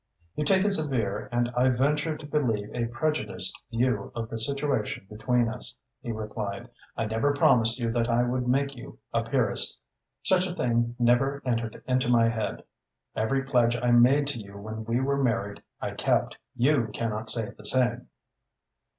"You take a severe and I venture to believe a prejudiced view of the situation between us," he replied. "I never promised you that I would make you a peeress. Such a thing never entered into my head. Every pledge I made to you when we were married, I kept. You cannot say the same."